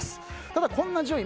ただこんな順位